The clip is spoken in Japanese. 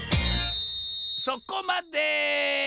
そこまで！